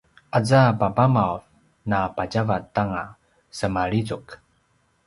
aza papamav napatjavat anga semalizuk